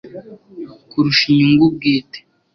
kurusha inyungu bwite